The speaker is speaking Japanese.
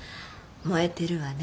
燃えてるわね。